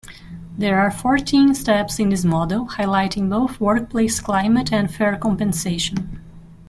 There are fourteen steps in this model, highlighting both workplace climate and fair compensation.